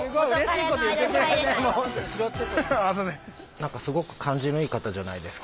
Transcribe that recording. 何かすごく感じのいい方じゃないですか。